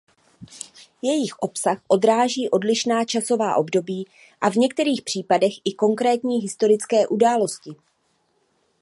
Jejich obsah odráží odlišná časová období a v některých případech i konkrétní historické události.